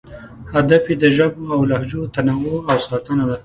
هدف یې د ژبو او لهجو تنوع او ساتنه ده.